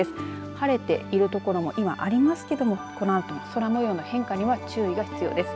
晴れている所も今、ありますけどもこのあと、空模様の変化には注意が必要です。